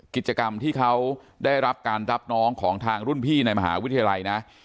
กิจกรรมที่เขาได้รับการรับน้องของทางรุ่นพี่ในมหาวิทยาลัยนะ